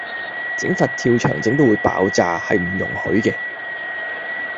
整佛跳牆整到會爆炸，係唔容許嘅